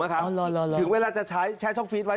ถึงเวลาจะใช้ช่องฟิตไว้